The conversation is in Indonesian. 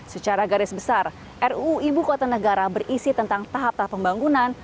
secara garis besar ruu ibu kota negara berisi tentang tahap tahap pembangunan